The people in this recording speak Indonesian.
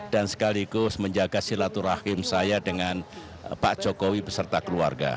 sekaligus menjaga silaturahim saya dengan pak jokowi beserta keluarga